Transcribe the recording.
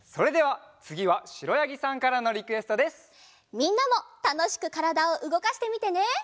みんなもたのしくからだをうごかしてみてね！